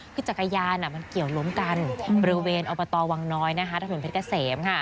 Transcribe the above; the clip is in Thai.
คือจักรยานมันเกี่ยวล้มกันบริเวณอบตวังน้อยถนนเพชรเกษม